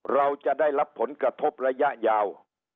เราจะได้รับผลกระทบระยะยาว